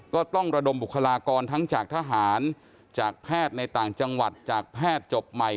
ก็ต้องระดมบุคลากรทั้งจากทหารจากแพทย์ในต่างจังหวัดจากแพทย์จบใหม่